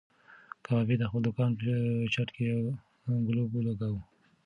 کبابي د خپل دوکان په چت کې یو ګلوب ولګاوه.